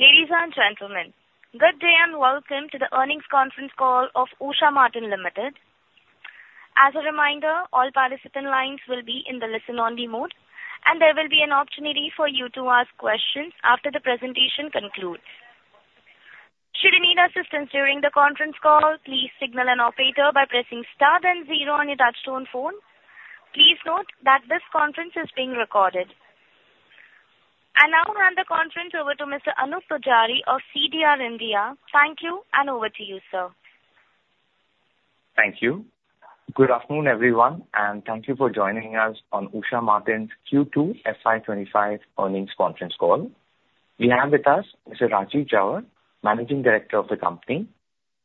Ladies and gentlemen, good day and welcome to the earnings conference call of Usha Martin Limited. As a reminder, all participant lines will be in the listen-only mode, and there will be an opportunity for you to ask questions after the presentation concludes. Should you need assistance during the conference call, please signal an operator by pressing star, then zero on your touch-tone phone. Please note that this conference is being recorded, and now I'll hand the conference over to Mr. Anoop Poojari of CDR India. Thank you, and over to you, sir. Thank you. Good afternoon, everyone, and thank you for joining us on Usha Martin's Q2 FY 2025 earnings conference call. We have with us Mr. Rajeev Jhawar, Managing Director of the company,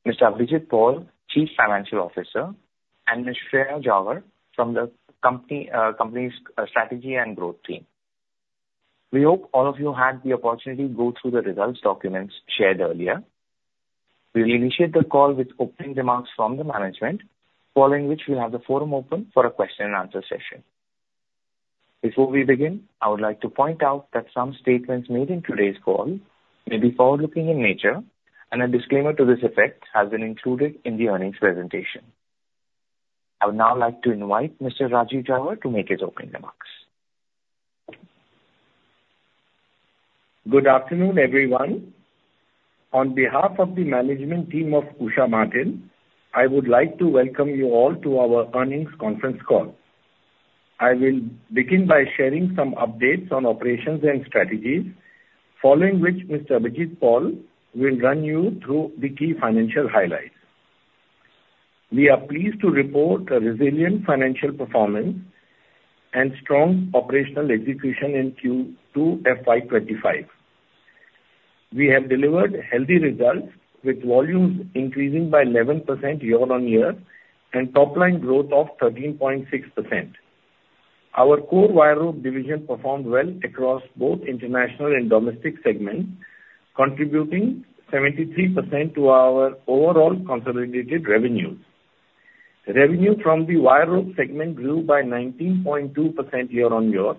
Mr. Abhijit Paul, Chief Financial Officer, and Ms. Shreya Jhawar from the company's strategy and growth team. We hope all of you had the opportunity to go through the results documents shared earlier. We will initiate the call with opening remarks from the management, following which we'll have the forum open for a question-and-answer session. Before we begin, I would like to point out that some statements made in today's call may be forward-looking in nature, and a disclaimer to this effect has been included in the earnings presentation. I would now like to invite Mr. Rajeev Jhawar to make his opening remarks. Good afternoon, everyone. On behalf of the management team of Usha Martin, I would like to welcome you all to our earnings conference call. I will begin by sharing some updates on operations and strategies, following which Mr. Abhijit Paul will run you through the key financial highlights. We are pleased to report a resilient financial performance and strong operational execution in Q2 FY 2025. We have delivered healthy results, with volumes increasing by 11% year-on-year and top-line growth of 13.6%. Our core wire rope division performed well across both international and domestic segments, contributing 73% to our overall consolidated revenues. Revenue from the wire rope segment grew by 19.2% year-on-year,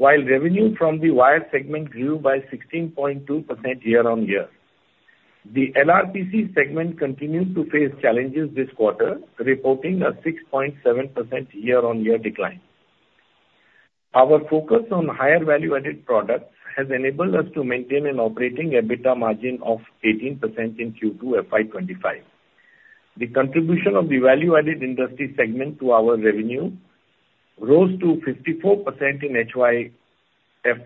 while revenue from the wire segment grew by 16.2% year-on-year. The LRPC segment continued to face challenges this quarter, reporting a 6.7% year-on-year decline. Our focus on higher value-added products has enabled us to maintain an operating EBITDA margin of 18% in Q2 FY 2025. The contribution of the value-added industry segment to our revenue rose to 54% in H1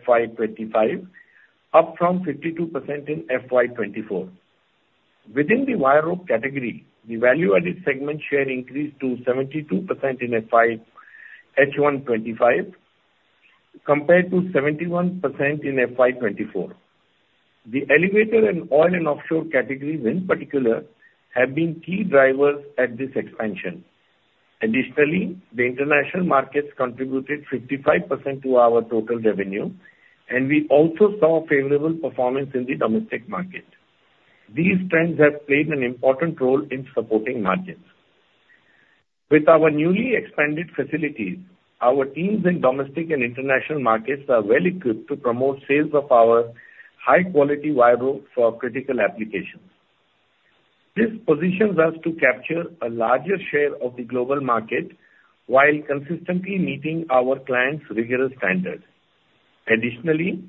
FY 2025, up from 52% in FY 2024. Within the wire rope category, the value-added segment share increased to 72% in H1 FY 2025, compared to 71% in FY 2024. The elevator and oil and offshore categories, in particular, have been key drivers at this expansion. Additionally, the international markets contributed 55% to our total revenue, and we also saw favorable performance in the domestic market. These trends have played an important role in supporting margins. With our newly expanded facilities, our teams in domestic and international markets are well-equipped to promote sales of our high-quality wire rope for critical applications. This positions us to capture a larger share of the global market while consistently meeting our clients' rigorous standards. Additionally,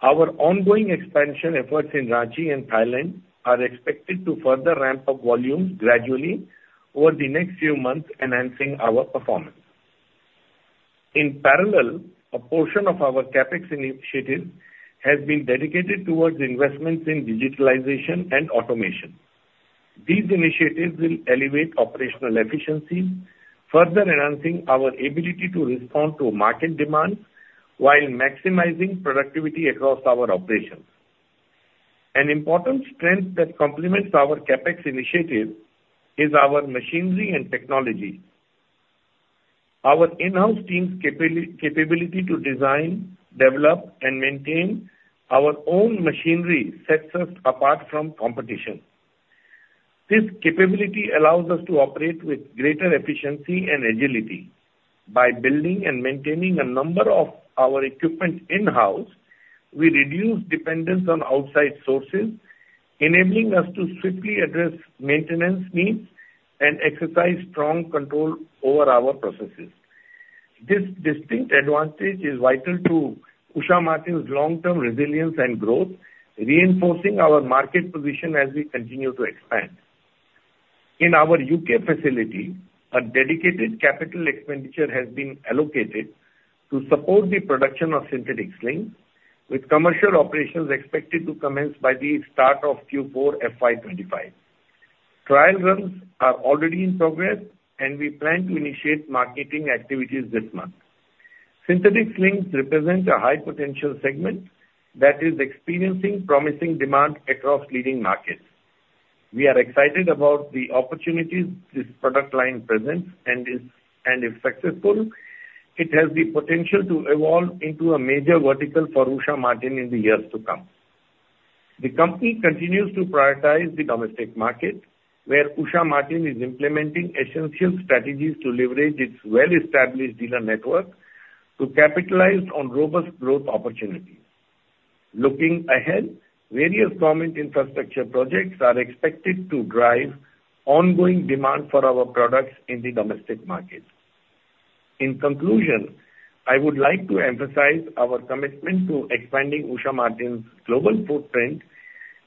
our ongoing expansion efforts in Ranchi and Thailand are expected to further ramp up volumes gradually over the next few months, enhancing our performance. In parallel, a portion of our CapEx initiatives has been dedicated towards investments in digitalization and automation. These initiatives will elevate operational efficiencies, further enhancing our ability to respond to market demands while maximizing productivity across our operations. An important strength that complements our CapEx initiative is our machinery and technology. Our in-house team's capability to design, develop, and maintain our own machinery sets us apart from competition. This capability allows us to operate with greater efficiency and agility. By building and maintaining a number of our equipment in-house, we reduce dependence on outside sources, enabling us to swiftly address maintenance needs and exercise strong control over our processes. This distinct advantage is vital to Usha Martin's long-term resilience and growth, reinforcing our market position as we continue to expand. In our U.K. facility, a dedicated capital expenditure has been allocated to support the production of synthetic slings, with commercial operations expected to commence by the start of Q4 FY 2025. Trial runs are already in progress, and we plan to initiate marketing activities this month. Synthetic slings represent a high-potential segment that is experiencing promising demand across leading markets. We are excited about the opportunities this product line presents, and if successful, it has the potential to evolve into a major vertical for Usha Martin in the years to come. The company continues to prioritize the domestic market, where Usha Martin is implementing essential strategies to leverage its well-established dealer network to capitalize on robust growth opportunities. Looking ahead, various government infrastructure projects are expected to drive ongoing demand for our products in the domestic market. In conclusion, I would like to emphasize our commitment to expanding Usha Martin's global footprint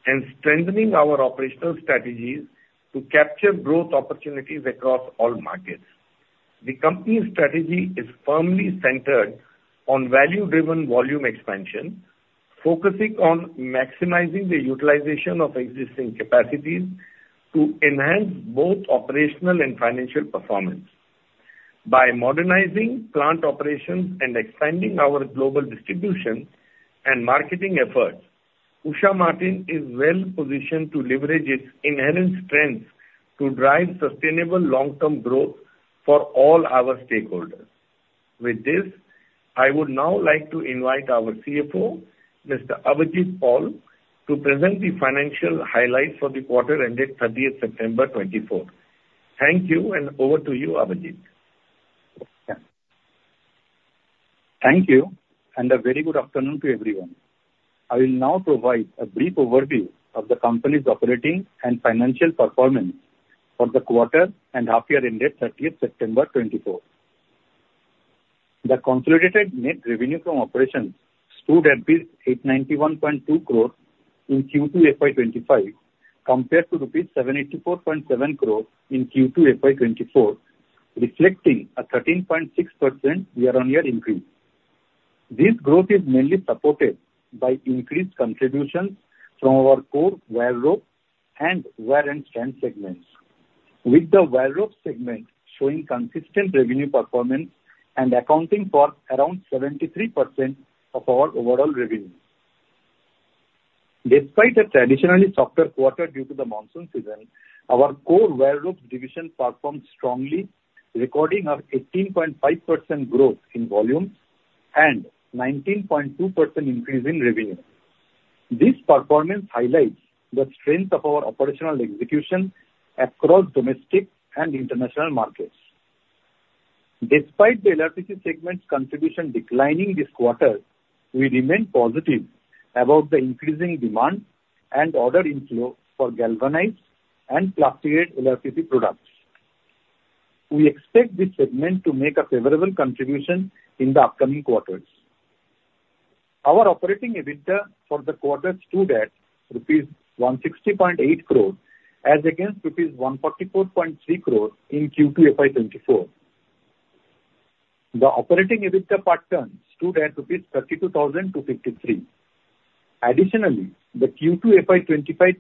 and strengthening our operational strategies to capture growth opportunities across all markets. The company's strategy is firmly centered on value-driven volume expansion, focusing on maximizing the utilization of existing capacities to enhance both operational and financial performance. By modernizing plant operations and expanding our global distribution and marketing efforts, Usha Martin is well-positioned to leverage its inherent strengths to drive sustainable long-term growth for all our stakeholders. With this, I would now like to invite our CFO, Mr. Abhijit Paul, to present the financial highlights for the quarter ended 30th September 2024. Thank you, and over to you, Abhijit. Thank you, and a very good afternoon to everyone. I will now provide a brief overview of the company's operating and financial performance for the quarter and half-year ended 30th September 2024. The consolidated net revenue from operations stood at INR 891.2 crore in Q2 FY 2025 compared to INR 784.7 crore in Q2 FY 2024, reflecting a 13.6% year-on-year increase. This growth is mainly supported by increased contributions from our core wire rope and wire and strand segments, with the wire rope segment showing consistent revenue performance and accounting for around 73% of our overall revenue. Despite a traditionally softer quarter due to the monsoon season, our core wire rope division performed strongly, recording a 18.5% growth in volumes and a 19.2% increase in revenue. This performance highlights the strength of our operational execution across domestic and international markets. Despite the LRPC segment's contribution declining this quarter, we remain positive about the increasing demand and order inflow for galvanized and plasticated LRPC products. We expect this segment to make a favorable contribution in the upcoming quarters. Our operating EBITDA for the quarter stood at rupees 160.8 crore, as against rupees 144.3 crore in Q2 FY 2024. The operating EBITDA per ton stood at INR 32,253. Additionally, the Q2 FY 2025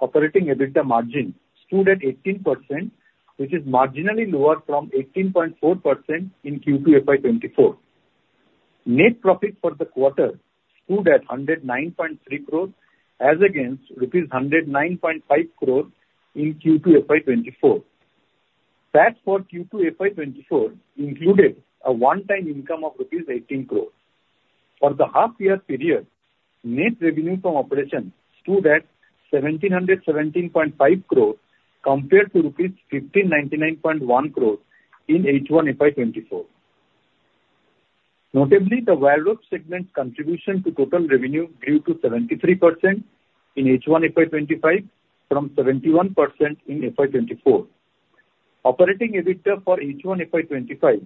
operating EBITDA margin stood at 18%, which is marginally lower from 18.4% in Q2 FY 2024. Net profit for the quarter stood at 109.3 crore, as against rupees 109.5 crore in Q2 FY 2024. That for Q2 FY 2024 included a one-time income of rupees 18 crore. For the half-year period, net revenue from operations stood at INR 1,717.5 crore, compared to INR 1,599.1 crore in H1 FY 2024. Notably, the wire rope segment's contribution to total revenue grew to 73% in H1 FY 2025 from 71% in FY 2024. Operating EBITDA for H1 FY 2025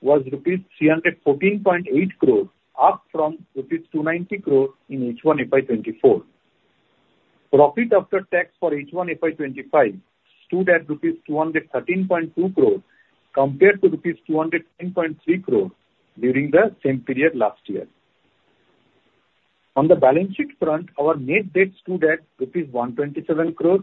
was rupees 314.8 crore, up from rupees 290 crore in H1 FY 2024. Profit after tax for H1 FY 2025 stood at rupees 213.2 crore, compared to rupees 210.3 crore during the same period last year. On the balance sheet front, our net debt stood at rupees 127 crore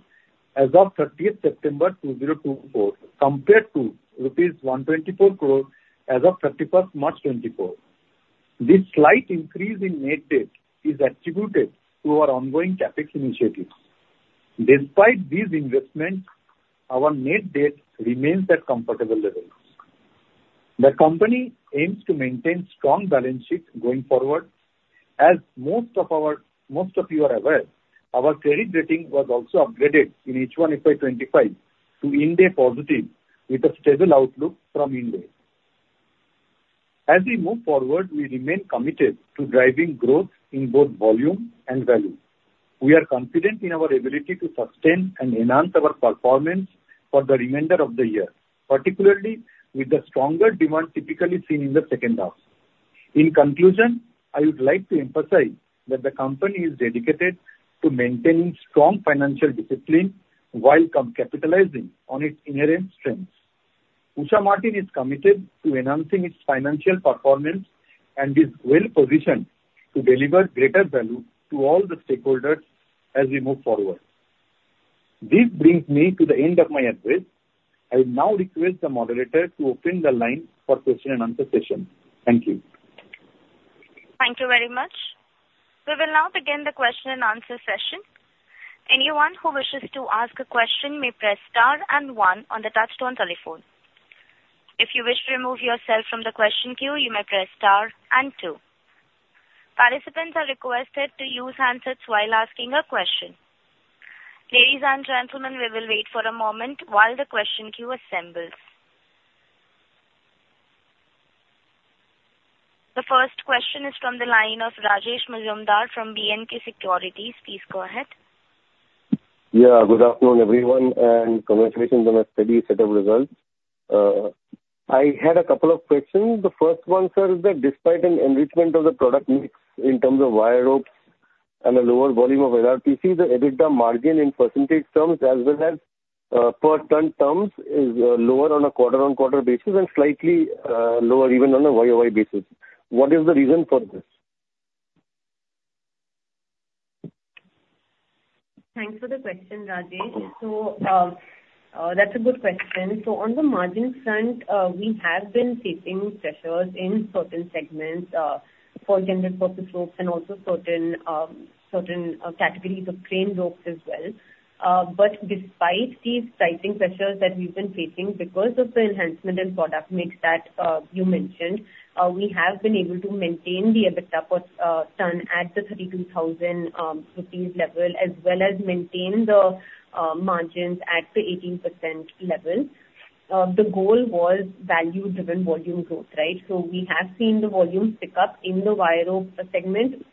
as of 30th September 2024, compared to rupees 124 crore as of 31st March 2024. This slight increase in net debt is attributed to our ongoing CapEx initiatives. Despite these investments, our net debt remains at comfortable levels. The company aims to maintain strong balance sheet going forward. As most of you are aware, our credit rating was also upgraded in H1 FY 2025 to IND A+, with a stable outlook from IND A. As we move forward, we remain committed to driving growth in both volume and value. We are confident in our ability to sustain and enhance our performance for the remainder of the year, particularly with the stronger demand typically seen in the second half. In conclusion, I would like to emphasize that the company is dedicated to maintaining strong financial discipline while capitalizing on its inherent strengths. Usha Martin is committed to enhancing its financial performance and is well-positioned to deliver greater value to all the stakeholders as we move forward. This brings me to the end of my address. I will now request the moderator to open the line for question-and-answer session. Thank you. Thank you very much. We will now begin the question-and-answer session. Anyone who wishes to ask a question may press star and one on the touch-tone telephone. If you wish to remove yourself from the question queue, you may press star and two. Participants are requested to use handsets while asking a question. Ladies and gentlemen, we will wait for a moment while the question queue assembles. The first question is from the line of Rajesh Majumdar from B&K Securities. Please go ahead. Yeah, good afternoon, everyone, and congratulations on a steady set of results. I had a couple of questions. The first one says that despite an enrichment of the product mix in terms of wire ropes and a lower volume of LRPC, the EBITDA margin in percentage terms as well as per ton terms is lower on a quarter-on-quarter basis and slightly lower even on a YoY basis. What is the reason for this? Thanks for the question, Rajesh. That's a good question. On the margin front, we have been facing pressures in certain segments for general purpose ropes and also certain categories of crane ropes as well. But despite these pricing pressures that we've been facing, because of the enhancement in product mix that you mentioned, we have been able to maintain the EBITDA per ton at the 32,000 rupees level as well as maintain the margins at the 18% level. The goal was value-driven volume growth, right? We have seen the volume pick up in the wire rope segment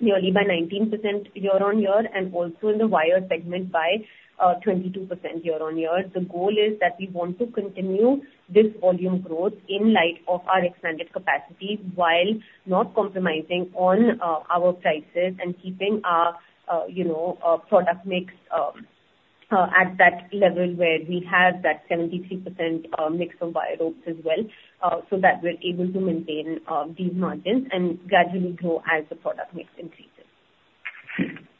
nearly by 19% year-on-year and also in the wire segment by 22% year-on-year. The goal is that we want to continue this volume growth in light of our expanded capacity while not compromising on our prices and keeping our product mix at that level where we have that 73% mix of wire ropes as well so that we're able to maintain these margins and gradually grow as the product mix increases.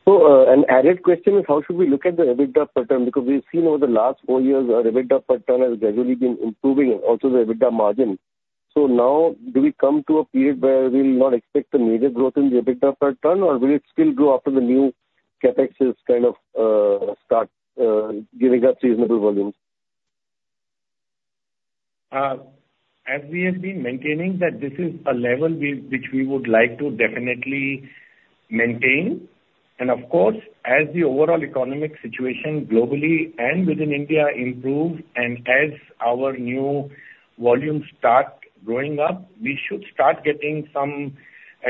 An added question is, how should we look at the EBITDA per ton? Because we've seen over the last four years, our EBITDA per ton has gradually been improving and also the EBITDA margin. Now, do we come to a period where we'll not expect the major growth in the EBITDA per ton, or will it still grow after the new CapEx is kind of start giving us reasonable volumes? As we have been maintaining that this is a level which we would like to definitely maintain. And of course, as the overall economic situation globally and within India improves and as our new volumes start growing up, we should start getting some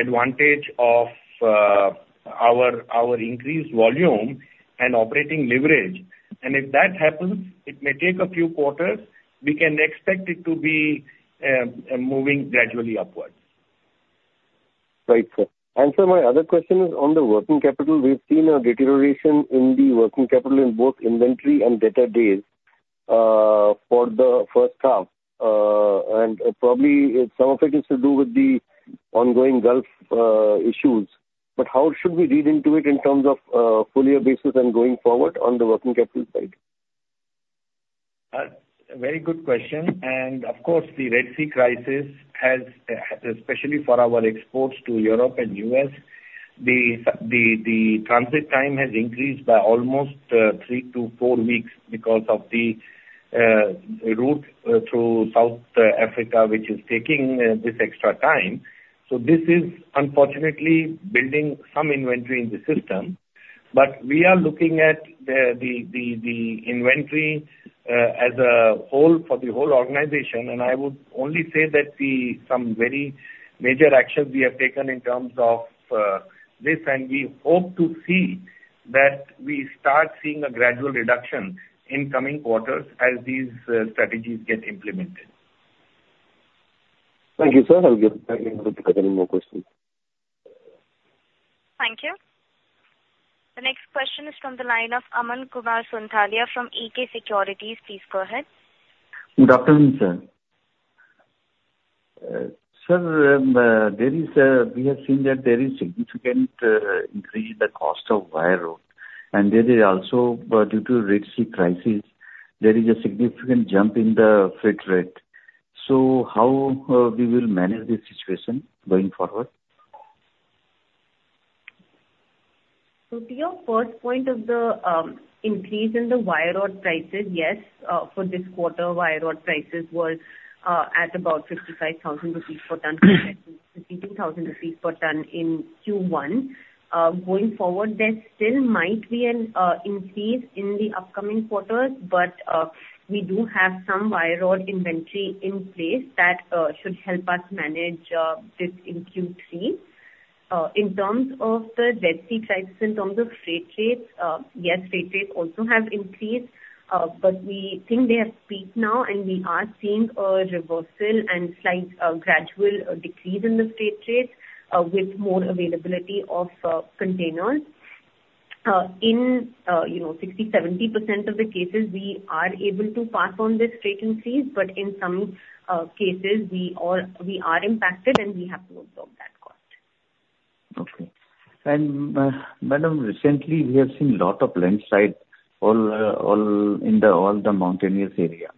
advantage of our increased volume and operating leverage. And if that happens, it may take a few quarters. We can expect it to be moving gradually upwards. Right. And so my other question is on the working capital. We've seen a deterioration in the working capital in both inventory and debtor days for the first half. And probably some of it is to do with the ongoing Gulf issues. But how should we read into it in terms of a forward basis and going forward on the working capital side? Very good question. And of course, the Red Sea crisis has, especially for our exports to Europe and the U.S., the transit time has increased by almost three to four weeks because of the route through South Africa, which is taking this extra time. So this is unfortunately building some inventory in the system. But we are looking at the inventory as a whole for the whole organization. And I would only say that some very major actions we have taken in terms of this, and we hope to see that we start seeing a gradual reduction in coming quarters as these strategies get implemented. Thank you, sir. I'll get back into the Q&A with a couple more questions. Thank you. The next question is from the line of Aman Kumar Sonthalia from AK Securities. Please go ahead. Good afternoon sir. We have seen that there is a significant increase in the cost of wire rope. And there is also, due to the Red Sea crisis, there is a significant jump in the freight rate. So how we will manage this situation going forward? So to your first point of the increase in the wire rope prices, yes, for this quarter, wire rope prices were at about 55,000 rupees per ton compared to INR 52,000 per ton in Q1. Going forward, there still might be an increase in the upcoming quarters, but we do have some wire rope inventory in place that should help us manage this in Q3. In terms of the Red Sea crisis, in terms of freight rates, yes, freight rates also have increased, but we think they have peaked now, and we are seeing a reversal and slight gradual decrease in the freight rates with more availability of containers. In 60%, 70% of the cases, we are able to pass on this freight increase, but in some cases, we are impacted, and we have to absorb that cost. Okay. And Madam, recently, we have seen a lot of landslides all in the mountainous area.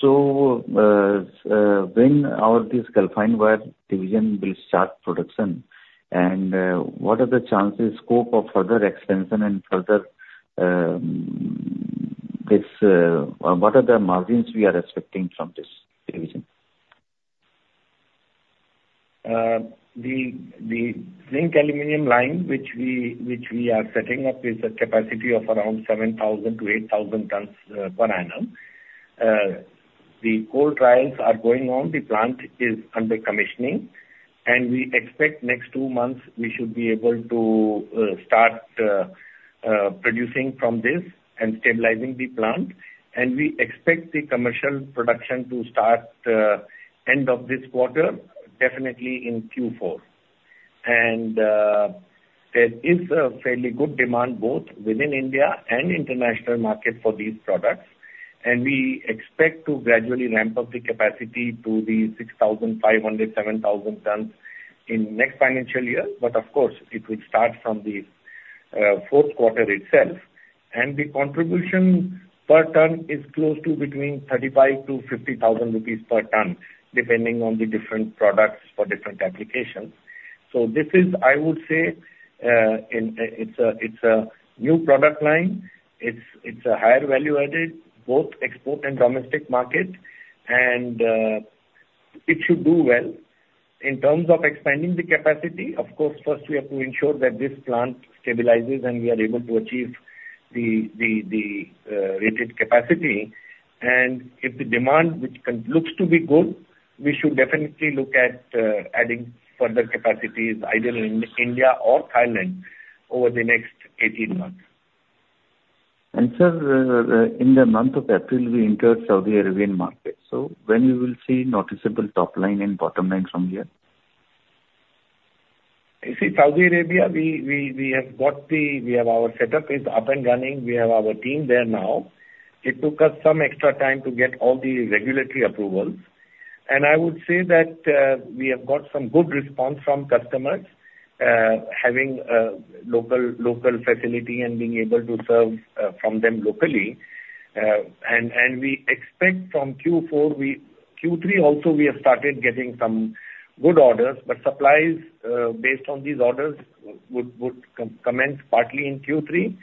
So when all these Galfan wire division will start production, and what are the chances, scope of further expansion and further this? What are the margins we are expecting from this division? The zinc-aluminum line, which we are setting up, is a capacity of around 7,000 tons-8,000 tons per annum. The cold trials are going on. The plant is under commissioning, and we expect next two months we should be able to start producing from this and stabilizing the plant. And we expect the commercial production to start end of this quarter, definitely in Q4. And there is a fairly good demand both within India and international market for these products. And we expect to gradually ramp up the capacity to the 6,500 tons-7,000 tons in next financial year. But of course, it will start from the fourth quarter itself. And the contribution per ton is close to between 35,000-50,000 rupees per ton, depending on the different products for different applications. So this is, I would say, it's a new product line. It's a higher value-added, both export and domestic market, and it should do well. In terms of expanding the capacity, of course, first we have to ensure that this plant stabilizes and we are able to achieve the rated capacity, and if the demand looks to be good, we should definitely look at adding further capacities, either in India or Thailand, over the next 18 months. Sir, in the month of April, we entered Saudi Arabian market. When will we see noticeable top line and bottom line from here? You see, Saudi Arabia, we have our setup up and running. We have our team there now. It took us some extra time to get all the regulatory approvals. And I would say that we have got some good response from customers, having local facility and being able to serve from them locally. And we expect from Q4, Q3 also, we have started getting some good orders, but supplies based on these orders would commence partly in Q3.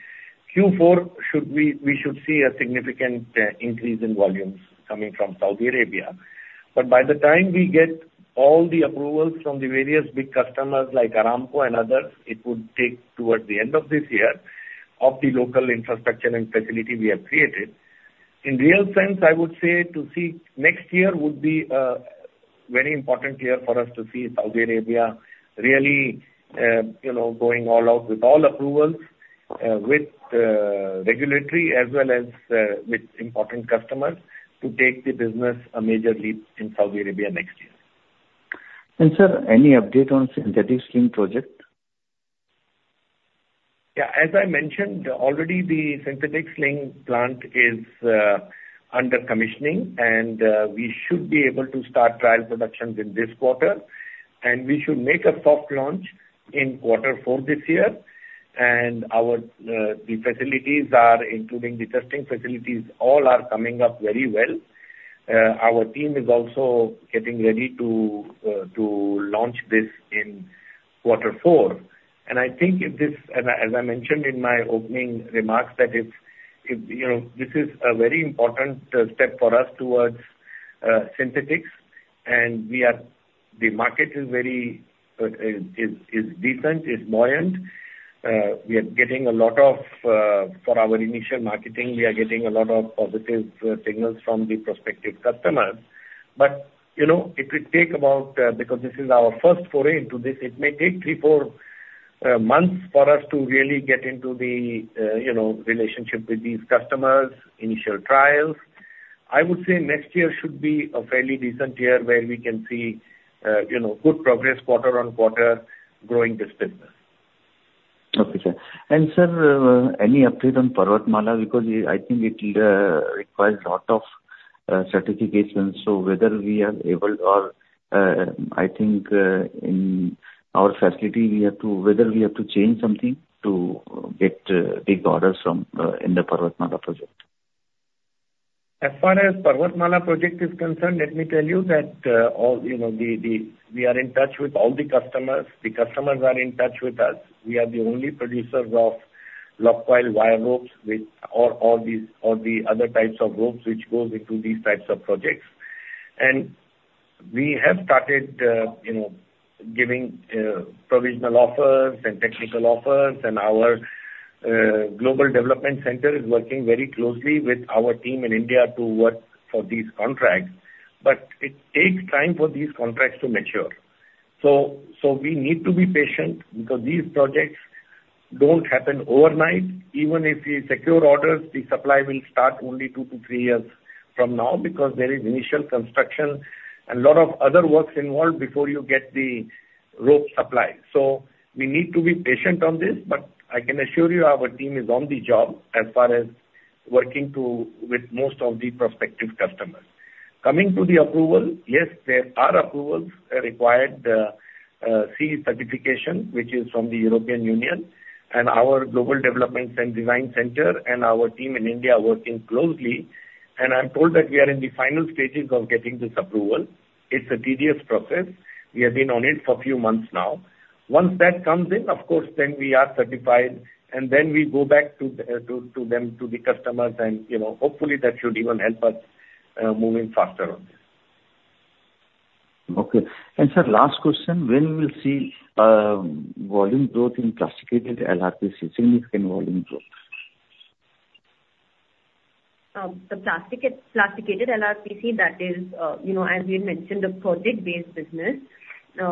Q4, we should see a significant increase in volumes coming from Saudi Arabia. But by the time we get all the approvals from the various big customers like Aramco and others, it would take towards the end of this year of the local infrastructure and facility we have created. In real sense, I would say to see next year would be a very important year for us to see Saudi Arabia really going all out with all approvals, with regulatory as well as with important customers to take the business a major leap in Saudi Arabia next year. Sir, any update on synthetic sling project? Yeah. As I mentioned, already the synthetic sling plant is under commissioning, and we should be able to start trial production with this quarter. We should make a soft launch in quarter four this year. The facilities are including the testing facilities, all are coming up very well. Our team is also getting ready to launch this in quarter four. I think if this, as I mentioned in my opening remarks, that this is a very important step for us towards synthetics. The market is very decent, is buoyant. We are getting a lot of positive signals from the prospective customers for our initial marketing. But it will take about, because this is our first foray into this, it may take three-four months for us to really get into the relationship with these customers, initial trials. I would say next year should be a fairly decent year where we can see good progress quarter on quarter growing this business. Okay, sir, and sir, any update on Parvatmala? Because I think it requires a lot of certifications, so whether we are able or I think in our facility, whether we have to change something to get big orders from in the Parvatmala project? As far as Parvatmala project is concerned, let me tell you that we are in touch with all the customers. The customers are in touch with us. We are the only producers of locked coil wire ropes or the other types of ropes which go into these types of projects, and we have started giving provisional offers and technical offers, and our global development center is working very closely with our team in India to work for these contracts, but it takes time for these contracts to mature, so we need to be patient because these projects don't happen overnight. Even if you secure orders, the supply will start only two-three years from now because there is initial construction and a lot of other works involved before you get the rope supplies. We need to be patient on this, but I can assure you our team is on the job as far as working with most of the prospective customers. Coming to the approval, yes, there are approvals required, CE certification, which is from the European Union, and our Global Development & Design Center and our team in India working closely. I'm told that we are in the final stages of getting this approval. It's a tedious process. We have been on it for a few months now. Once that comes in, of course, then we are certified, and then we go back to them, to the customers, and hopefully that should even help us move in faster on this. Okay. And sir, last question, when we will see volume growth in plasticated LRPC, significant volume growth? The Plasticated LRPC that is, as we had mentioned, a project-based business.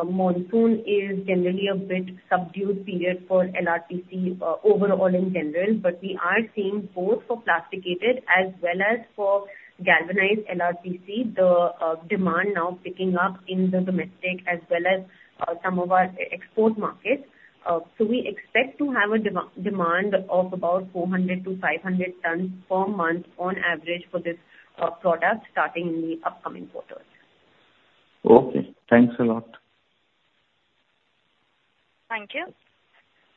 Monsoon is generally a bit subdued period for LRPC overall in general, but we are seeing both for Plasticated as well as for Galvanized LRPC, the demand now picking up in the domestic as well as some of our export markets, so we expect to have a demand of about 400 tons-500 tons per month on average for this product starting in the upcoming quarter. Okay. Thanks a lot. Thank you.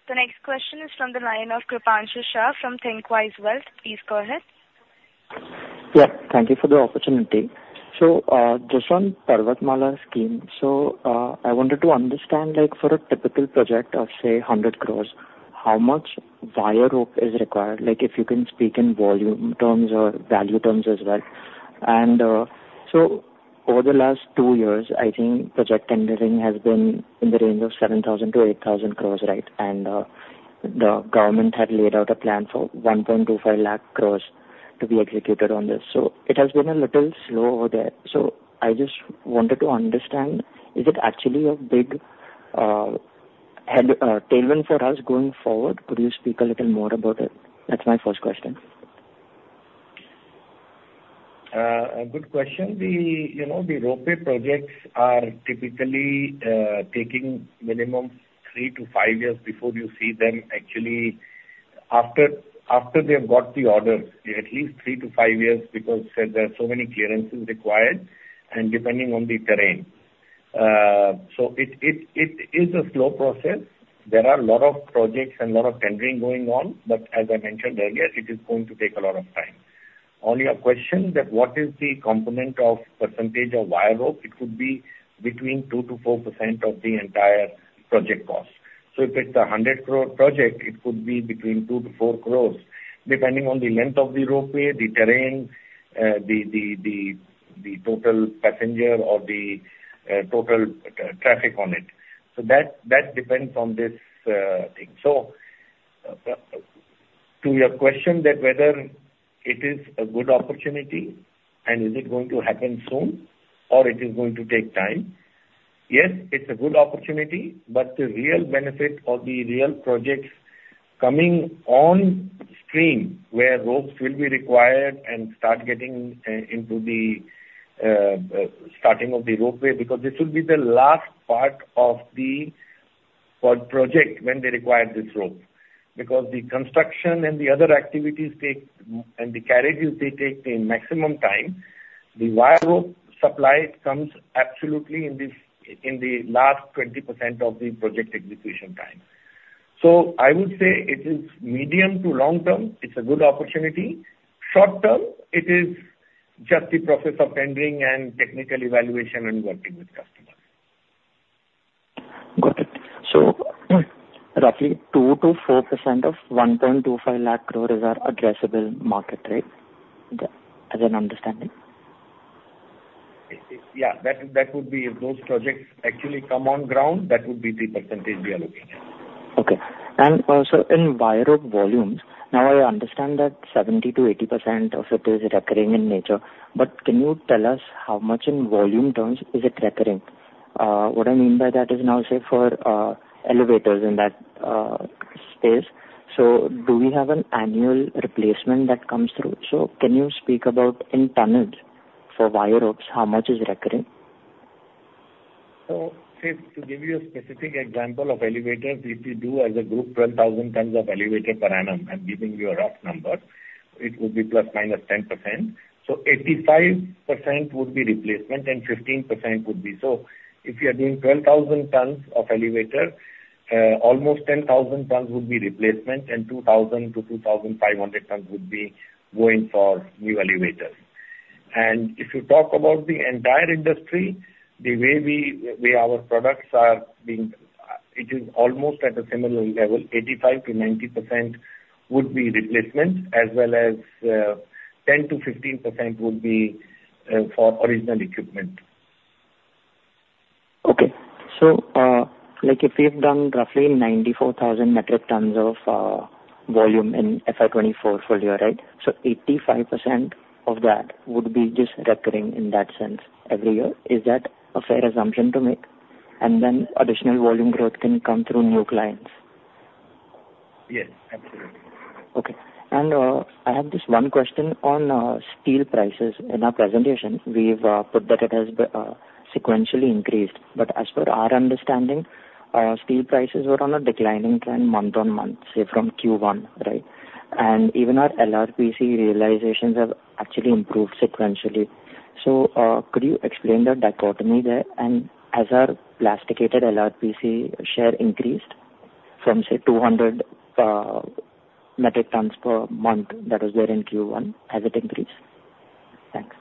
The next question is from the line of Krupanshu Shah from Thinqwise Wealth. Please go ahead. Yeah. Thank you for the opportunity. So just on Parvatmala scheme, so I wanted to understand for a typical project of, say, 100 crores, how much wire rope is required, if you can speak in volume terms or value terms as well. And so over the last two years, I think project tendering has been in the range of 7,000 crores-8,000 crores, right? And the government had laid out a plan for 1.25 lakh crores to be executed on this. So it has been a little slow over there. So I just wanted to understand, is it actually a big tailwind for us going forward? Could you speak a little more about it? That's my first question. Good question. The ropeway projects are typically taking minimum three to five years before you see them actually after they've got the orders, at least three to five years because there are so many clearances required and depending on the terrain. So it is a slow process. There are a lot of projects and a lot of tendering going on, but as I mentioned earlier, it is going to take a lot of time. On your question that what is the component of percentage of wire rope, it could be between 2%-4% of the entire project cost. So if it's a 100 crore project, it could be between 2%-4% crores, depending on the length of the ropeway, the terrain, the total passenger, or the total traffic on it. So that depends on this thing. So, to your question that whether it is a good opportunity and is it going to happen soon or it is going to take time, yes, it's a good opportunity, but the real benefit or the real projects coming on stream where ropes will be required and start getting into the starting of the ropeway because this will be the last part of the project when they require this rope. Because the construction and the other activities and the carriages they take the maximum time, the wire rope supply comes absolutely in the last 20% of the project execution time. So I would say it is medium to long term. It's a good opportunity. Short term, it is just the process of tendering and technical evaluation and working with customers. Got it. So roughly 2%-4% of 1.25 lakh crores are addressable market, right? As I'm understanding. Yeah. That would be if those projects actually come on ground. That would be the percentage we are looking at. Okay. And so in wire rope volumes, now I understand that 70%-80% of it is recurring in nature, but can you tell us how much in volume terms is it recurring? What I mean by that is now, say, for elevators in that space. So do we have an annual replacement that comes through? So can you speak about in tunnels for wire ropes, how much is recurring? So, to give you a specific example of elevators, if you do as a group 12,000 tons of elevator per annum, I'm giving you a rough number, it would be ±10%, so 85% would be replacement and 15% would be so if you are doing 12,000 tons of elevator, almost 10,000 tons would be replacement and 2,000 tons-2,500 tons would be going for new elevators. And if you talk about the entire industry, the way our products are being, it is almost at a similar level, 85%-90% would be replacement as well as 10%-15% would be for original equipment. Okay. So if we've done roughly 94,000 metric tons of volume in FY 2024 for the year, right? So 85% of that would be just recurring in that sense every year. Is that a fair assumption to make? And then additional volume growth can come through new clients. Yes. Absolutely. Okay. And I have this one question on steel prices. In our presentation, we've put that it has sequentially increased. But as per our understanding, steel prices were on a declining trend month on month, say, from Q1, right? And even our LRPC realizations have actually improved sequentially. So could you explain the dichotomy there? And has our plasticated LRPC share increased from, say, 200 metric tons per month that was there in Q1? Has it increased? Thanks.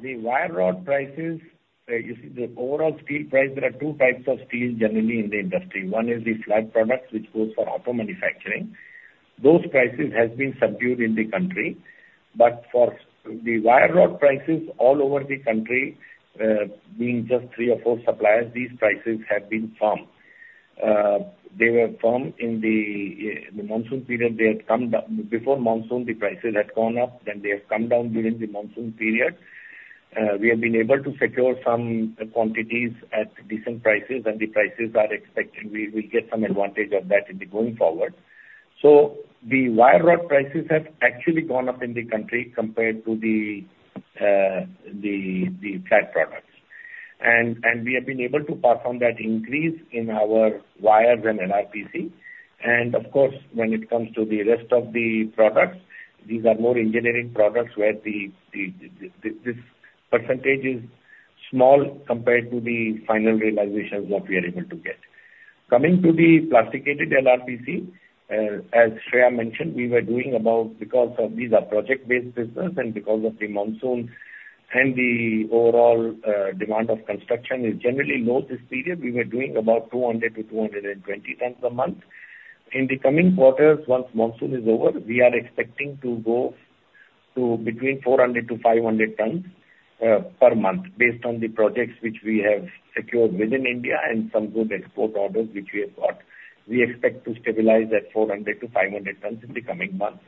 The wire rope prices. You see, the overall steel price. There are two types of steel generally in the industry. One is the flat products, which goes for auto manufacturing. Those prices have been subdued in the country. But for the wire rope prices all over the country, being just three or four suppliers, these prices have been firm. They were firm in the monsoon period. They had come down before monsoon. The prices had gone up, then they have come down during the monsoon period. We have been able to secure some quantities at decent prices, and we are expecting we will get some advantage of that going forward. So the wire rope prices have actually gone up in the country compared to the flat products, and we have been able to perform that increase in our wires and LRPC. Of course, when it comes to the rest of the products, these are more engineering products where this percentage is small compared to the final realizations that we are able to get. Coming to the Plasticated LRPC, as Shreya mentioned, we were doing about because of these are project-based business and because of the monsoon and the overall demand of construction is generally low this period, we were doing about 200 tons-220 tons a month. In the coming quarters, once monsoon is over, we are expecting to go to between 400 tons-500 tons per month based on the projects which we have secured within India and some good export orders which we have got. We expect to stabilize at 400 tons-500 tons in the coming months.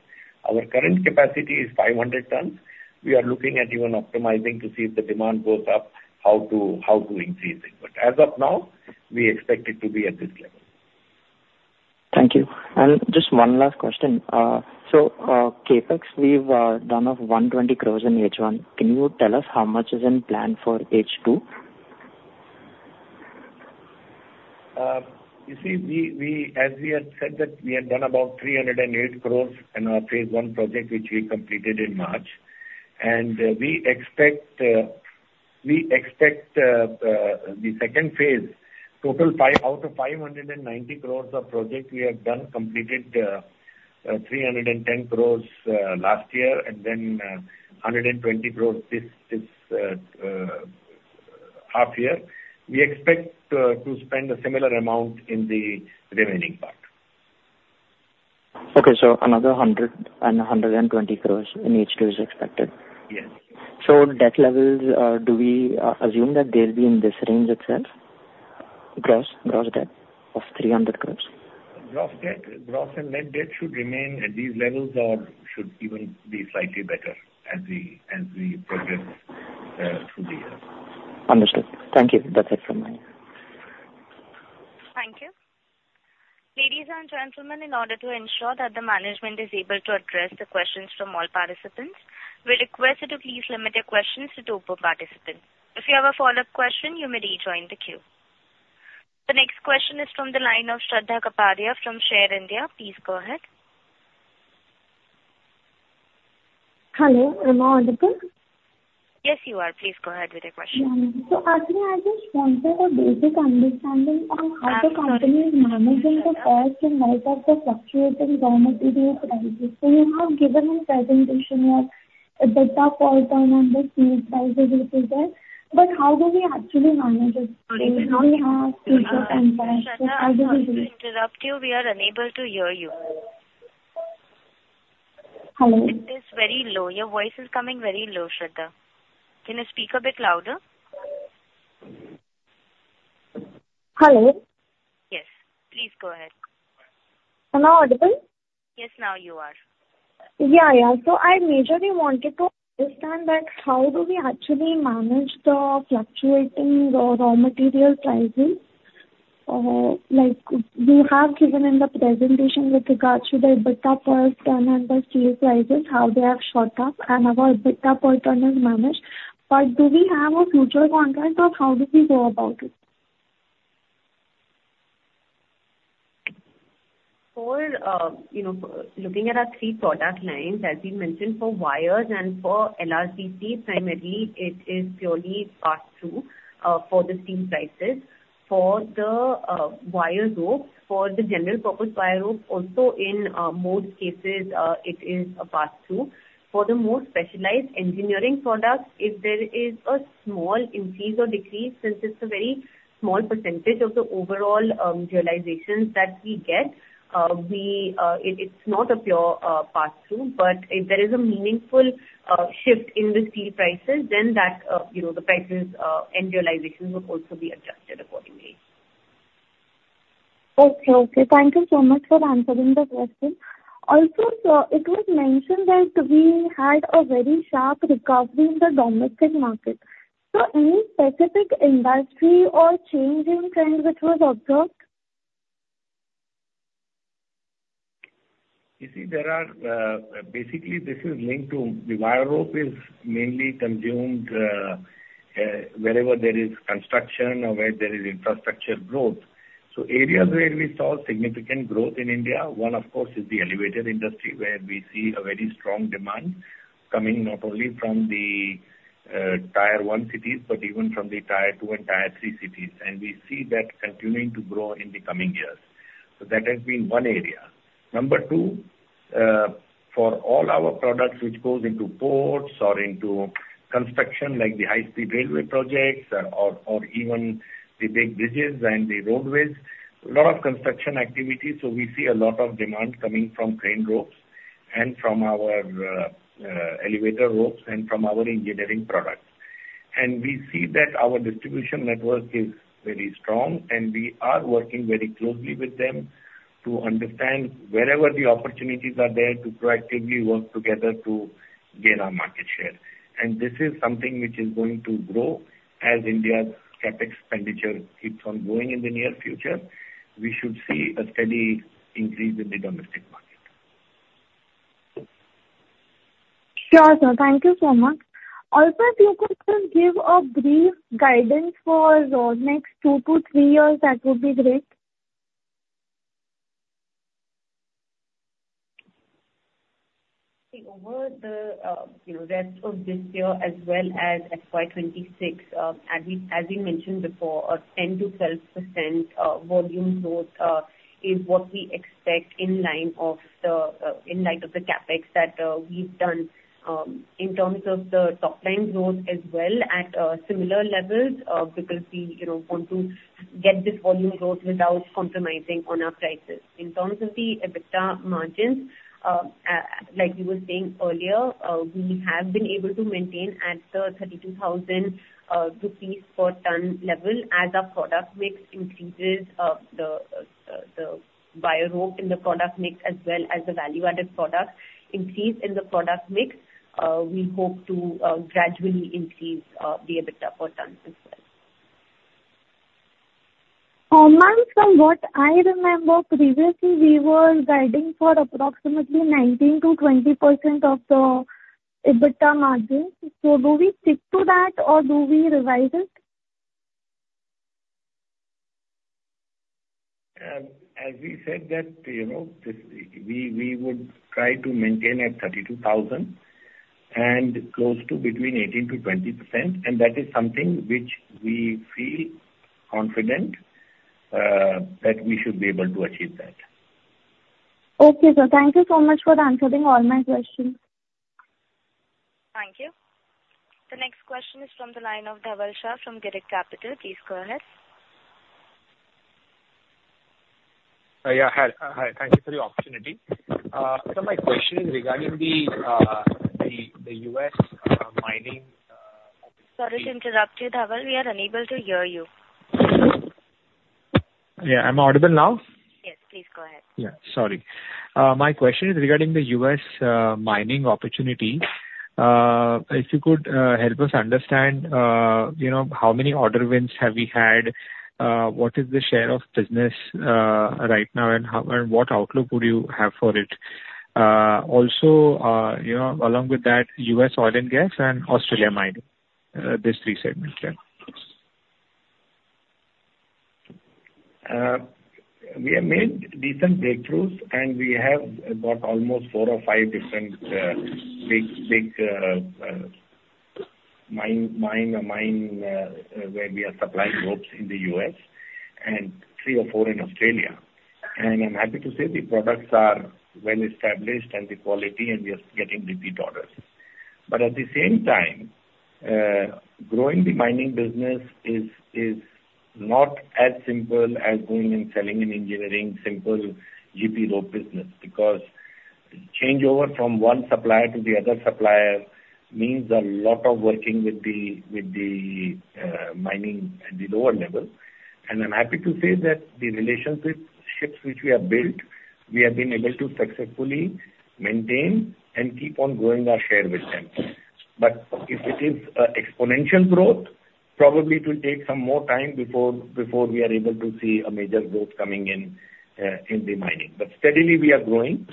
Our current capacity is 500 tons. We are looking at even optimizing to see if the demand goes up, how to increase it. But as of now, we expect it to be at this level. Thank you. And just one last question. So CapEx, we've done of 120 crores in H1. Can you tell us how much is in plan for H2? You see, as we had said that we had done about 308 crores in our Phase 1 project, which we completed in March. And we expect the second phase, total out of 590 crores of project we have done, completed 310 crores last year and then 120 crores this half year. We expect to spend a similar amount in the remaining part. Okay. So another 100 and 120 crores in H2 is expected. Yes. So debt levels, do we assume that they'll be in this range itself? Gross debt of 300 crore? Gross debt, gross and net debt should remain at these levels or should even be slightly better as we progress through the year. Understood. Thank you. That's it from me. Thank you. Ladies and gentlemen, in order to ensure that the management is able to address the questions from all participants, we request that you please limit your questions to two participants. If you have a follow-up question, you may rejoin the queue. The next question is from the line of Shraddha Kapadia from Share India. Please go ahead. Hello. Am I audible? Yes, you are. Please go ahead with your question. So actually, I just wanted a basic understanding on how the company is managing the cost in light of the fluctuating domestic prices. So you have given a presentation of the tough time on the steel prices which is there. But how do we actually manage it? We have to shut and press. Sorry to interrupt you. We are unable to hear you. Hello? It is very low. Your voice is coming very low, Shraddha. Can you speak a bit louder? Hello? Yes. Please go ahead. Am I audible? Yes, now you are. Yeah, yeah. So I majorly wanted to understand that how do we actually manage the fluctuating raw material prices? We have given in the presentation with regards to the bid up all-time on the steel prices, how they have shot up and how our bid up all-time is managed. But do we have a futures contract of how do we go about it? For looking at our three product lines, as we mentioned, for wires and for LRPC, primarily, it is purely pass-through for the steel prices. For the wire ropes, for the general-purpose wire ropes, also in most cases, it is a pass-through. For the more specialized engineering products, if there is a small increase or decrease, since it's a very small percentage of the overall realizations that we get, it's not a pure pass-through. But if there is a meaningful shift in the steel prices, then the prices and realizations will also be adjusted accordingly. Okay. Thank you so much for answering the question. Also, it was mentioned that we had a very sharp recovery in the domestic market, so any specific industry or change in trend which was observed? You see, this is linked to the wire rope, which is mainly consumed wherever there is construction or where there is infrastructure growth. So areas where we saw significant growth in India, one, of course, is the elevator industry where we see a very strong demand coming not only from the Tier 1 cities but even from the Tier 2 and Tier 3 cities, and we see that continuing to grow in the coming years. So that has been one area. Number two, for all our products which goes into ports or into construction like the high-speed railway projects or even the big bridges and the roadways, a lot of construction activity. So we see a lot of demand coming from crane ropes and from our elevator ropes and from our engineering products. We see that our distribution network is very strong, and we are working very closely with them to understand wherever the opportunities are there to proactively work together to gain our market share. This is something which is going to grow as India's CapEx expenditure keeps on going in the near future. We should see a steady increase in the domestic market. Sure. So thank you so much. Also, if you could just give a brief guidance for the next two to three years, that would be great. Over the rest of this year, as well as FY26, as we mentioned before, a 10%-12% volume growth is what we expect in light of the CapEx that we've done in terms of the top-line growth as well at similar levels because we want to get this volume growth without compromising on our prices. In terms of the EBITDA margins, like we were saying earlier, we have been able to maintain at the 32,000 rupees per ton level as our product mix increases, the wire rope in the product mix as well as the value-added product increase in the product mix. We hope to gradually increase the EBITDA per ton as well. On my screen, what I remember previously, we were guiding for approximately 19%-20% of the EBITDA margins. So do we stick to that or do we revise it? As we said, that we would try to maintain at 32,000 and close to between 18%-20%, and that is something which we feel confident that we should be able to achieve that. Okay, so thank you so much for answering all my questions. Thank you. The next question is from the line of Dhaval Shah from Girik Capital. Please go ahead. Yeah. Hi. Thank you for the opportunity. So my question is regarding the U.S. mining? Sorry to interrupt you, Dhaval. We are unable to hear you. Yeah. Am I audible now? Yes. Please go ahead. Yeah. Sorry. My question is regarding the U.S. mining opportunity. If you could help us understand how many order wins have we had, what is the share of business right now, and what outlook would you have for it? Also, along with that, U.S. oil and gas and Australia mine, these three segments, yeah. We have made decent breakthroughs, and we have got almost four or five different big mines where we are supplying ropes in the U.S. and three or four in Australia, and I'm happy to say the products are well established and the quality, and we are getting repeat orders. But at the same time, growing the mining business is not as simple as going and selling an engineering simple GP rope business because changeover from one supplier to the other supplier means a lot of working with the mining at the lower level, and I'm happy to say that the relationships which we have built, we have been able to successfully maintain and keep on growing our share with them. But if it is exponential growth, probably it will take some more time before we are able to see a major growth coming in the mining. But steadily, we are growing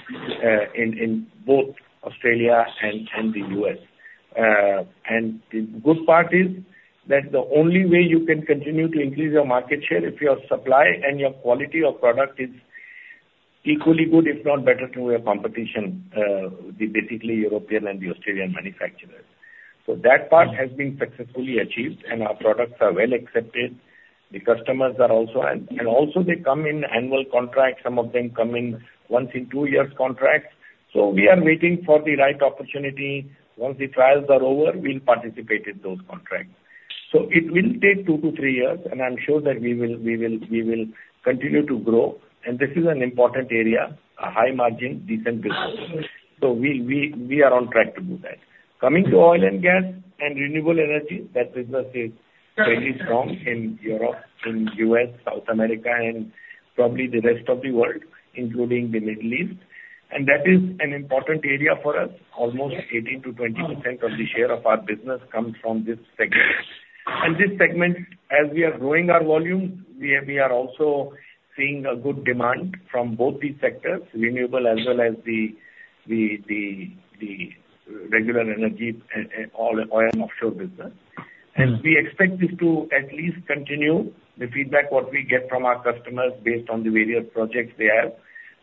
in both Australia and the US. And the good part is that the only way you can continue to increase your market share if your supply and your quality of product is equally good, if not better to your competition, basically European and the Australian manufacturers. So that part has been successfully achieved, and our products are well accepted. The customers are also, and also they come in annual contracts. Some of them come in once-in-two-years contracts. So we are waiting for the right opportunity. Once the trials are over, we'll participate in those contracts. So it will take two to three years, and I'm sure that we will continue to grow. And this is an important area, a high-margin, decent business. So we are on track to do that. Coming to oil and gas and renewable energy, that business is very strong in Europe, in the U.S., South America, and probably the rest of the world, including the Middle East. And that is an important area for us. Almost 18%-20% of the share of our business comes from this segment. And this segment, as we are growing our volume, we are also seeing a good demand from both these sectors, renewable as well as the regular energy, oil and offshore business. And we expect this to at least continue the feedback what we get from our customers based on the various projects they have,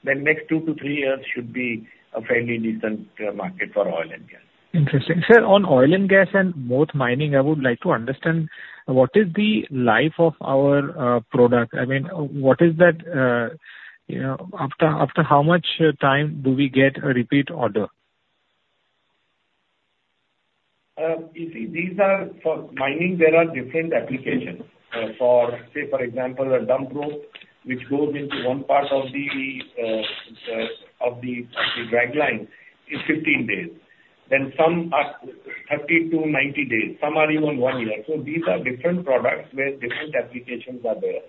then next two to three years should be a fairly decent market for oil and gas. Interesting. On oil and gas and both mining, I would like to understand what is the life of our product? I mean, what is that? After how much time do we get a repeat order? You see, these are for mining. There are different applications. For say, for example, a dump rope which goes into one part of the dragline is 15 days. Then some are 30 days-90 days. Some are even one year. So these are different products where different applications are there.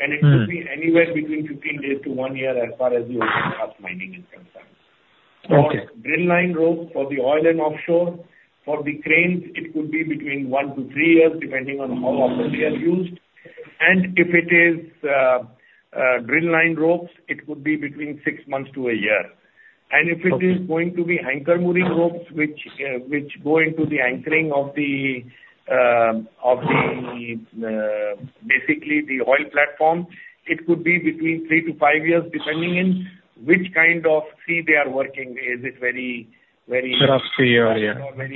And it could be anywhere between 15 days to one year as far as the overall cost mining is concerned. For drill line ropes, for the oil and offshore, for the cranes, it could be between one to three years depending on how often they are used. And if it is drill line ropes, it could be between six months to a year. If it is going to be anchor mooring ropes which go into the anchoring of basically the oil platform, it could be between 3 years- years depending on which kind of sea they are working. Is it very. soft, you know, yeah.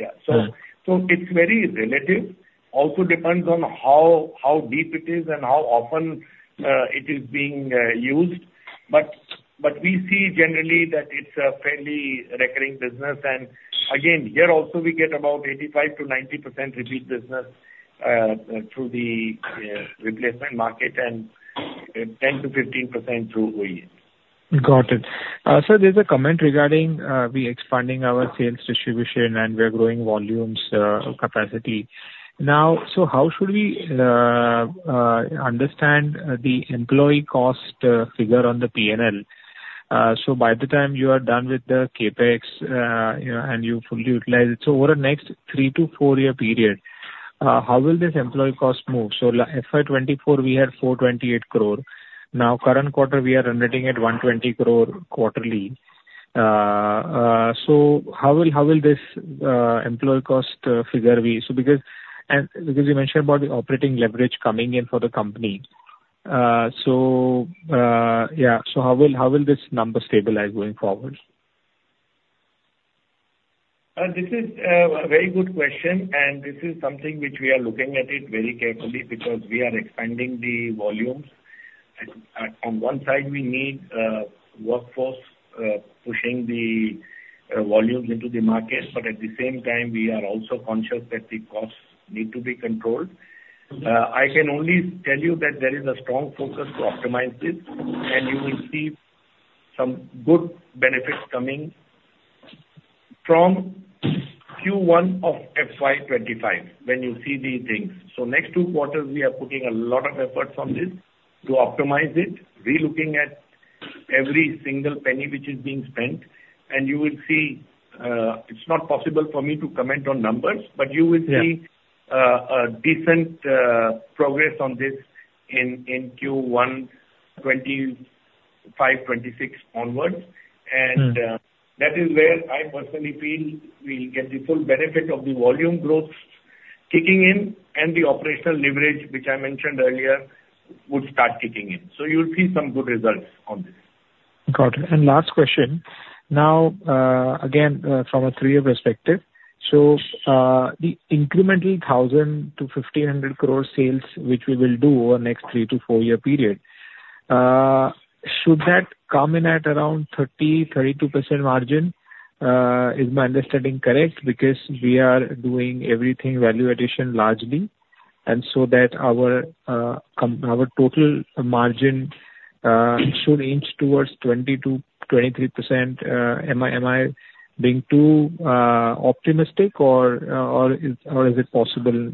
Yeah. So it's very relative. Also depends on how deep it is and how often it is being used. But we see generally that it's a fairly recurring business. And again, here also we get about 85%-90% repeat business through the replacement market and 10%-15% through OEM. Got it. There's a comment regarding we are expanding our sales distribution and we are growing volumes capacity. Now, how should we understand the employee cost figure on the P&L? By the time you are done with the CapEx and you fully utilize it, over the next three-to-four-year period, how will this employee cost move? FY 2024, we had 428 crore. Now, current quarter, we are running at 120 crore quarterly. How will this employee cost figure be? And because you mentioned about the operating leverage coming in for the company. Yeah, how will this number stabilize going forward? This is a very good question. And this is something which we are looking at very carefully because we are expanding the volumes. On one side, we need workforce pushing the volumes into the market. But at the same time, we are also conscious that the costs need to be controlled. I can only tell you that there is a strong focus to optimize this, and you will see some good benefits coming from Q1 of FY 2025 when you see these things. So next two quarters, we are putting a lot of effort on this to optimize it, re-looking at every single penny which is being spent. And you will see it's not possible for me to comment on numbers, but you will see decent progress on this in Q1 2025, 2026 onwards. That is where I personally feel we'll get the full benefit of the volume growth kicking in and the operational leverage, which I mentioned earlier, would start kicking in. You'll see some good results on this. Got it. Last question. Now, again, from a three-year perspective, so the incremental 1,000-1,500 crore sales which we will do over the next three- to four-year period, should that come in at around 30%-32% margin? Is my understanding correct? Because we are doing everything value addition largely, and so that our total margin should inch towards 20%-23%. Am I being too optimistic, or is it possible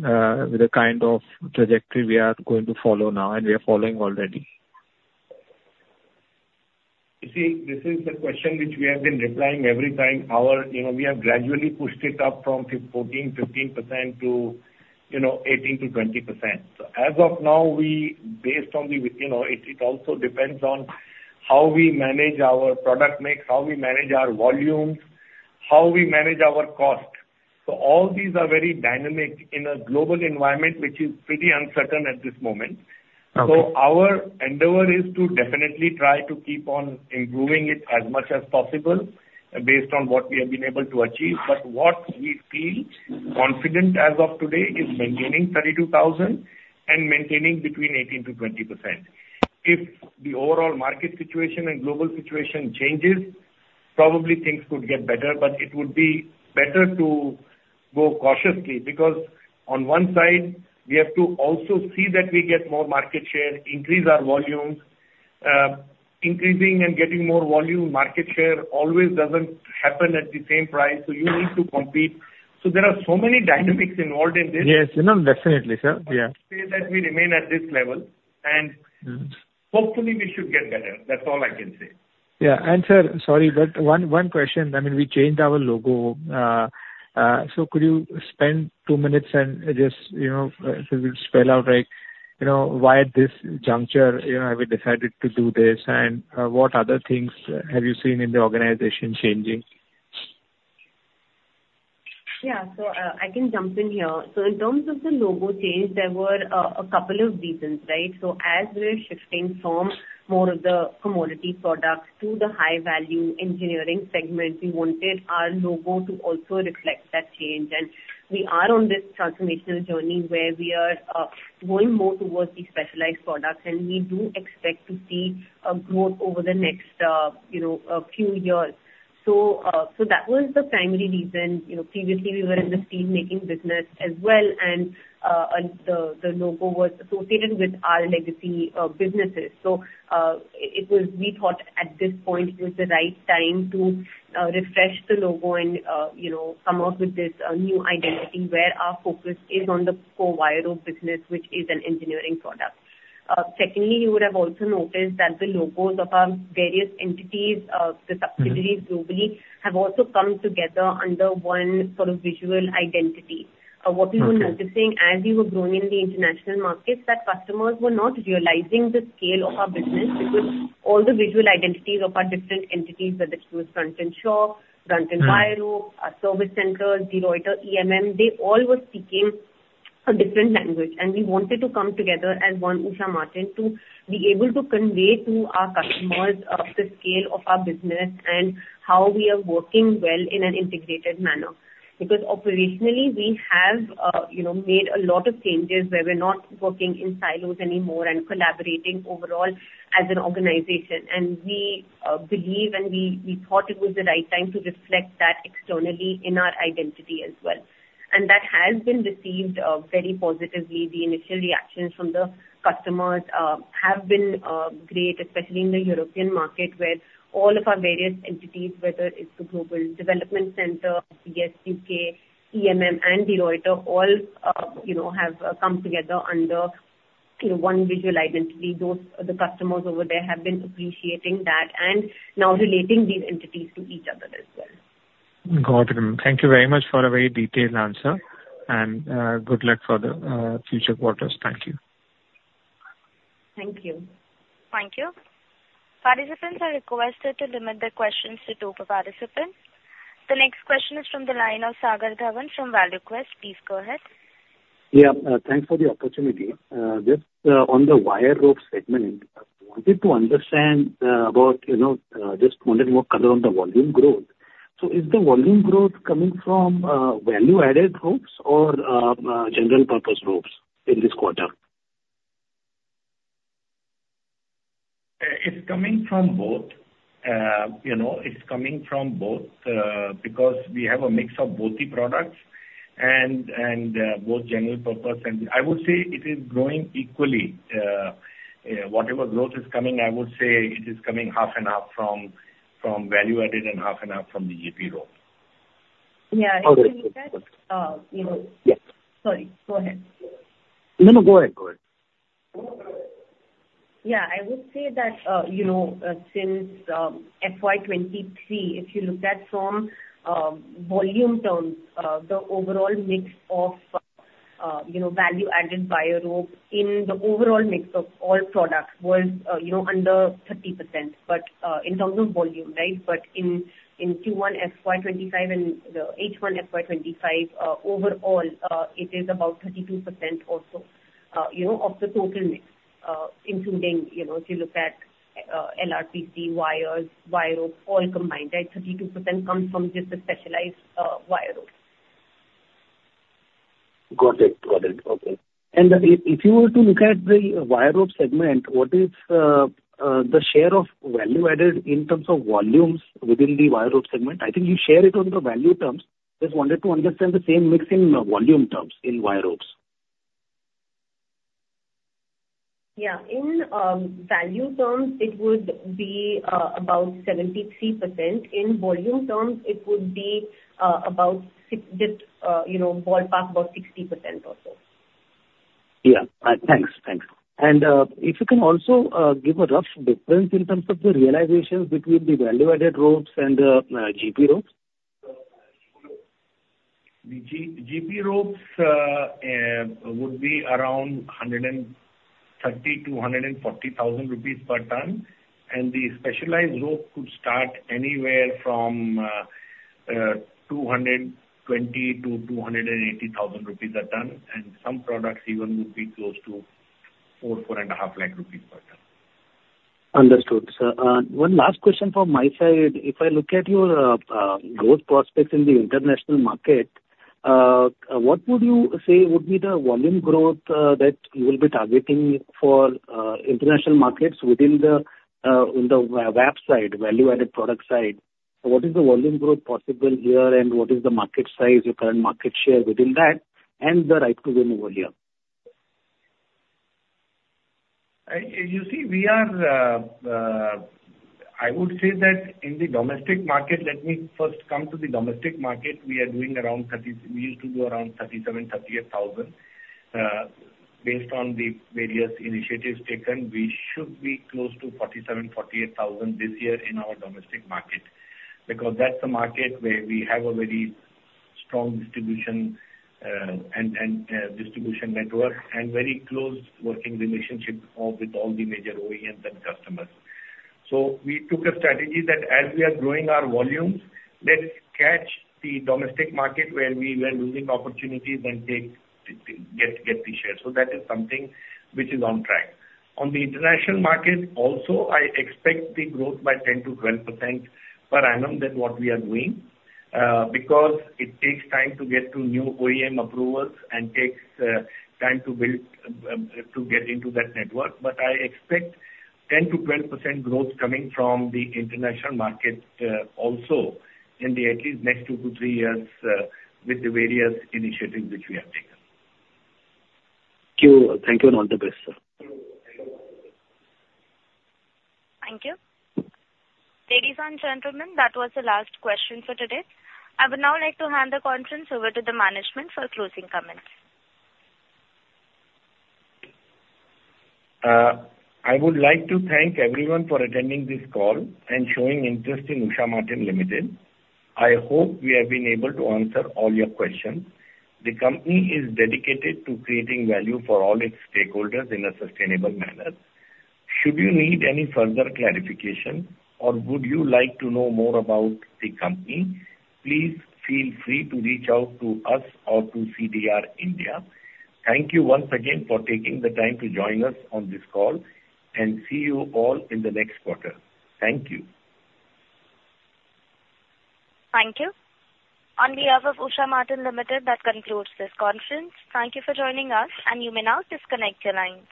with the kind of trajectory we are going to follow now and we are following already? You see, this is the question which we have been replying every time. We have gradually pushed it up from 14%-15% to 18%-20%. As of now, based on that it also depends on how we manage our product mix, how we manage our volumes, how we manage our cost. So all these are very dynamic in a global environment which is pretty uncertain at this moment. So our endeavor is to definitely try to keep on improving it as much as possible based on what we have been able to achieve. But what we feel confident as of today is maintaining 32,000 and maintaining between 18%-20%. If the overall market situation and global situation changes, probably things could get better, but it would be better to go cautiously because on one side, we have to also see that we get more market share, increase our volumes. Increasing and getting more volume, market share always doesn't happen at the same price. So you need to compete. So there are so many dynamics involved in this. Yes. Definitely, sir. Yeah. I'd say that we remain at this level, and hopefully, we should get better. That's all I can say. Yeah. And sir, sorry, but one question. I mean, we changed our logo. So could you spend two minutes and just spell out why at this juncture have you decided to do this? And what other things have you seen in the organization changing? Yeah. So I can jump in here. So in terms of the logo change, there were a couple of reasons, right? So as we're shifting from more of the commodity products to the high-value engineering segment, we wanted our logo to also reflect that change. And we are on this transformational journey where we are going more towards the specialized products, and we do expect to see a growth over the next few years. So that was the primary reason. Previously, we were in the steel-making business as well, and the logo was associated with our legacy businesses. So we thought at this point it was the right time to refresh the logo and come up with this new identity where our focus is on the core wire rope business, which is an engineering product. Secondly, you would have also noticed that the logos of our various entities, the subsidiaries globally, have also come together under one sort of visual identity. What we were noticing as we were growing in the international markets is that customers were not realizing the scale of our business because all the visual identities of our different entities, whether it was Brunton Shaw, Brunton Wire Rope, our service centers, De Ruiter, EMM, they all were speaking a different language, and we wanted to come together as one Usha Martin to be able to convey to our customers the scale of our business and how we are working well in an integrated manner. Because operationally, we have made a lot of changes where we're not working in silos anymore and collaborating overall as an organization. We believe and we thought it was the right time to reflect that externally in our identity as well. That has been received very positively. The initial reactions from the customers have been great, especially in the European market where all of our various entities, whether it's the Global Development Center, BSUK, EMM, and De Ruiter, all have come together under one visual identity. The customers over there have been appreciating that and now relating these entities to each other as well. Got it. Thank you very much for a very detailed answer, and good luck for the future quarters. Thank you. Thank you. Thank you. Participants are requested to limit their questions to two per participant. The next question is from the line of Sagar Dhawan from ValueQuest. Please go ahead. Yeah. Thanks for the opportunity. Just on the wire rope segment, I just wanted more color on the volume growth. So is the volume growth coming from value-added ropes or general-purpose ropes in this quarter? It's coming from both. It's coming from both because we have a mix of both the products and both general-purpose. And I would say it is growing equally. Whatever growth is coming, I would say it is coming half and half from value-added and half and half from the GP rope. Yeah. You said that. Sorry. Go ahead. No, no. Go ahead. Go ahead. Yeah. I would say that since FY 2023, if you look at from volume terms, the overall mix of value-added wire rope in the overall mix of all products was under 30%. But in terms of volume, right? But in Q1 FY 2025 and the H1 FY 2025, overall, it is about 32% also of the total mix, including if you look at LRPC, wires, wire rope, all combined, right? 32% comes from just the specialized wire rope. Got it. Okay. And if you were to look at the wire rope segment, what is the share of value-added in terms of volumes within the wire rope segment? I think you share it on the value terms. Just wanted to understand the same mix in volume terms in wire ropes. Yeah. In value terms, it would be about 73%. In volume terms, it would be about just ballpark about 60% also. Yeah. Thanks. Thanks. And if you can also give a rough difference in terms of the realizations between the value-added ropes and the GP ropes? GP ropes would be around 130,000-140,000 rupees per ton. And the specialized rope could start anywhere from 220,000-280,000 rupees a ton. And some products even would be close to 400,000-450,000 rupees per ton. Understood, so one last question from my side. If I look at your growth prospects in the international market, what would you say would be the volume growth that you will be targeting for international markets within the VAP side, value-added product side? What is the volume growth possible here, and what is the market size, your current market share within that, and the right to win over here? You see, we are. I would say that in the domestic market, let me first come to the domestic market. We are doing around 30,000. We used to do around 37,000, 38,000. Based on the various initiatives taken, we should be close to 47,000, 48,000 this year in our domestic market because that's the market where we have a very strong distribution network and very close working relationship with all the major OEMs and customers. So we took a strategy that as we are growing our volumes, let's catch the domestic market where we were losing opportunities and get the share. So that is something which is on track. On the international market, also, I expect the growth by 10%-12% per annum than what we are doing because it takes time to get to new OEM approvals and takes time to get into that network. But I expect 10%-12% growth coming from the international market also in the at least next two to three years with the various initiatives which we have taken. Thank you. Thank you and all the best, sir. Thank you. Ladies and gentlemen, that was the last question for today. I would now like to hand the conference over to the management for closing comments. I would like to thank everyone for attending this call and showing interest in Usha Martin Limited. I hope we have been able to answer all your questions. The company is dedicated to creating value for all its stakeholders in a sustainable manner. Should you need any further clarification or would you like to know more about the company, please feel free to reach out to us or to CDR India. Thank you once again for taking the time to join us on this call, and see you all in the next quarter. Thank you. Thank you. On behalf of Usha Martin Limited, that concludes this conference. Thank you for joining us, and you may now disconnect your line.